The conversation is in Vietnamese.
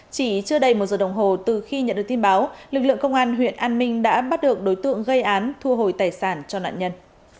chỉ chưa đầy một giờ đồng hồ từ khi nhận được tin báo lực lượng công an huyện an minh đã bắt được đối tượng gây án thu hồi tài sản cho nạn nhân